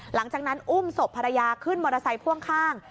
หลังจากนั้นอุ้มศพภรรยาขึ้นมอเตอร์ไซค์พ่วงข้าง